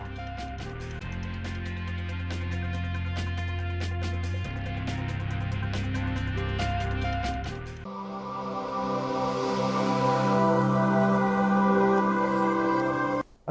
terima kasih pak